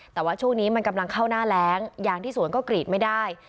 แต่ว่าช่วงนี้มันกำลังเข้าหน้าแรงยางที่สวนก็กรีดไม่ได้